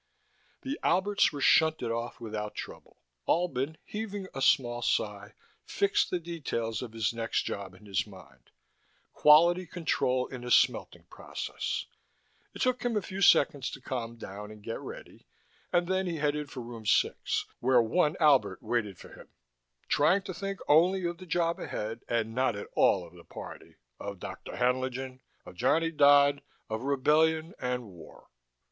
The Alberts were shunted off without trouble. Albin, heaving a small sigh, fixed the details of his next job in his mind: quality control in a smelting process. It took him a few seconds to calm down and get ready, and then he headed for room six, where one Albert waited for him, trying to think only of the job ahead, and not at all of the party, of Dr. Haenlingen, of Johnny Dodd, of rebellion and war.